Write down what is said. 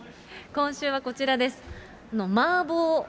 今週はこちらです。